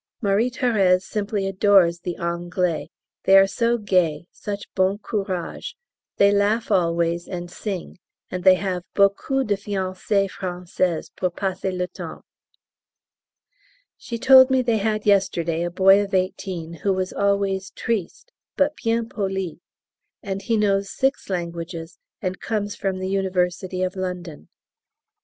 Marie Thérèse simply adores the Anglais they are so gais, such bon courage, they laugh always and sing and they have "beaucoup de fiancées françaises pour passer le temps!" She told me they had yesterday a boy of eighteen who was always triste, but bien poli, and he knows six languages and comes from the University of London.